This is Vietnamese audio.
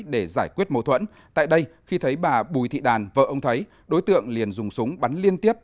để giải quyết mâu thuẫn tại đây khi thấy bà bùi thị đàn vợ ông thấy đối tượng liền dùng súng bắn liên tiếp